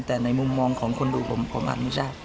แต่ในมุมมองของคนดูผมมันไม่ใช่